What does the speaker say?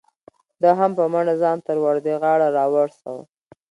ده هم په منډه ځان تر وردغاړې را ورسو.